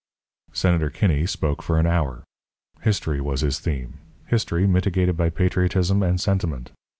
Senator Kinney spoke for an hour. History was his theme history mitigated by patriotism and sentiment.